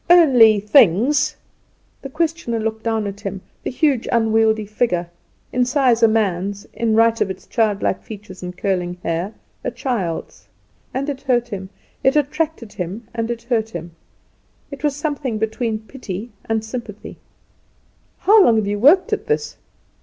"Only things." The questioner looked down at him the huge, unwieldy figure, in size a man's, in right of his childlike features and curling hair a child's; and it hurt him it attracted him and it hurt him. It was something between pity and sympathy. "How long have you worked at this?"